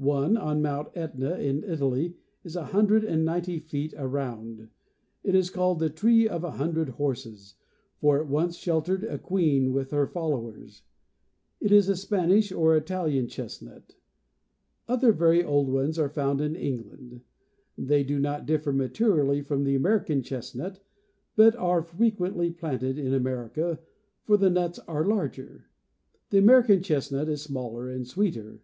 One on Mount Etna, in Italy, is a hun dred and ninety feet around. It is called the " Tree of a Hundred Horses," for it once sheltered a queen with her followers. It is a Spanish or Italian chest nut. Other very old ones are found in England. They do not differ material ly from the American chest nut, but are frequently planted America, for the nuts are rger. The American chest nut is smaller and sweeter.